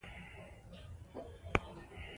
دوی له رښتيا اورېدو څخه وېره لري.